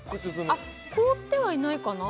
凍ってはいないかな。